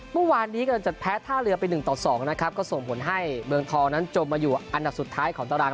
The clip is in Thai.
แต่แพ้ท่าเรือเป็น๑๒ก็ส่งผลให้เมืองทองนั้นจบมาอยู่อันดับสุดท้ายของตาราง